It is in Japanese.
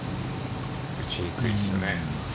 打ちにくいですよね。